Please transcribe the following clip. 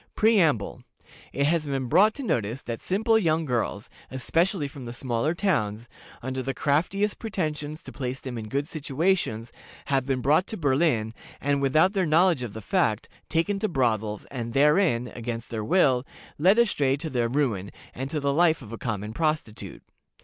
"Preamble. It has been brought to notice that simple young girls, especially from the smaller towns, under the craftiest pretensions to place them in good situations, have been brought to Berlin, and, without their knowledge of the fact, taken to brothels, and therein, against their will, led astray to their ruin, and to the life of a common prostitute.